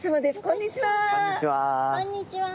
こんにちは。